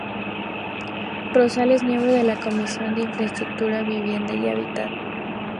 Rosal es miembro de la Comisión de Infraestructura, Vivienda y Hábitat.